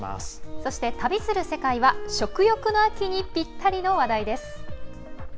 そして「旅する世界」は食欲の秋にぴったりの話題です。